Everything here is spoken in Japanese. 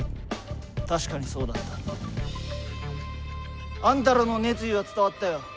確かにそうだった。あんたらの熱意は伝わったよ。